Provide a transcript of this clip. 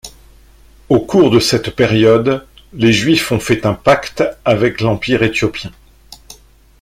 Au cours de cette période, les Juifs ont fait un pacte avec l'Empire éthiopien.